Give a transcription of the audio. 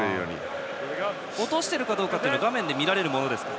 落としているかどうかは画面で見られますか。